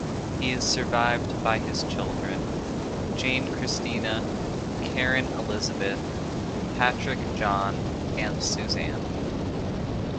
He is survived by his children: Jane Kristina, Karin Elizabeth, Patrick Jon and Suzanne.